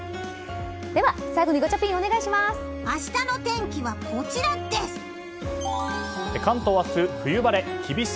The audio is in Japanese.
では、最後にガチャピン明日の天気はこちらです！